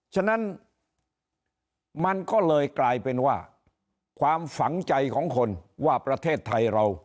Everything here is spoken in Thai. ฉะนั้นมันก็เลยกลายเป็นว่าความฝังใจของคนว่าประเทศไทยเรา